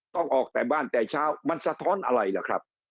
ต้องออกแต่บ้านแต่เช้ามันสะท้อนอะไรล่ะครับ